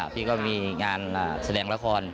พี่ก็มีงานแสดงละคร